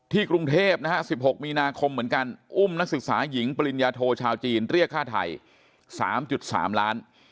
กรุงเทพนะฮะ๑๖มีนาคมเหมือนกันอุ้มนักศึกษาหญิงปริญญาโทชาวจีนเรียกค่าไทย๓๓ล้าน